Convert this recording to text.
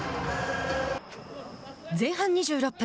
前半２６分。